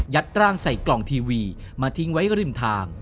ร่างใส่กล่องทีวีมาทิ้งไว้ริมทาง